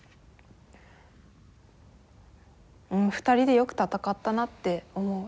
２人でよく戦ったなって思う。